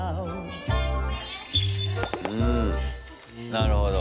なるほど。